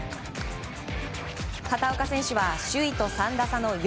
畑岡選手は首位と３打差の